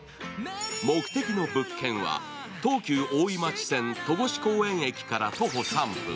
目的の物件は東急大井町線・戸越公園駅から徒歩３分。